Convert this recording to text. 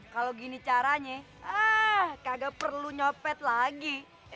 kalau gini caranya kagak perlu nyopet lagi